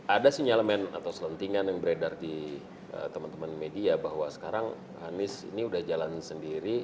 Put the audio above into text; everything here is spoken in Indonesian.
ada sinyalemen atau selentingan yang beredar di teman teman media bahwa sekarang anies ini sudah jalan sendiri